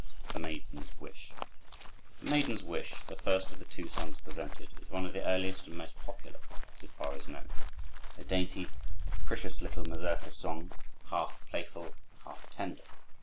The Maiden's Wish "The Maiden's Wish," the first of the two songs presented, is one of the earliest and most popular, so far as known; a dainty, capricious little mazurka song, half playful, half tender.